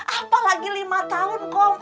apalagi lima tahun kom